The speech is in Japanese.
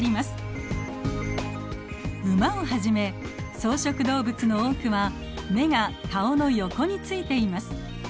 ウマをはじめ草食動物の多くは眼が顔の横についています。